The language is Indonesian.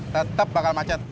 tetep bakal macet